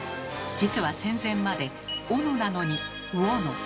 実は戦前まで「おの」なのに「をの」。